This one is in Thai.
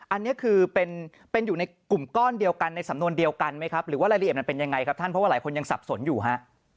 อันนี้คือเป็นอยู่ในกลุ่มก้อนเดียวกันในสำนวนเดียวกันไหมครับหรือว่ารายละเอียดมันเป็นยังไงครับท่านเพราะว่าหลายคนยังสับสนอยู่ฮะ